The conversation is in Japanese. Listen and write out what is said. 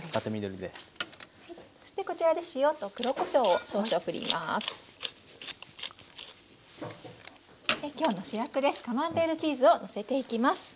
で今日の主役ですカマンベールチーズをのせていきます。